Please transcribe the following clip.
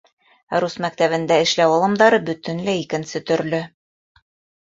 Ә рус мәктәбендә эшләү алымдары бөтөнләй икенсе төрлө.